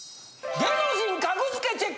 芸能人格付けチェック！